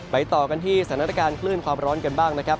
ต่อกันที่สถานการณ์คลื่นความร้อนกันบ้างนะครับ